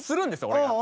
俺が。